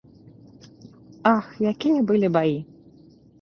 Ах, якія былі баі!